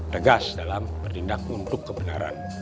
tegas dalam bertindak untuk kebenaran